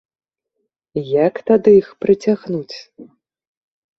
Як тады іх прыцягнуць?